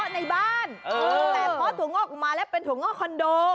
ในบ้านแต่พอถั่วงอกออกมาแล้วเป็นถั่วงอกคอนโด